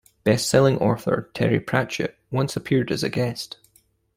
Bestselling author Terry Pratchett once appeared as a guest.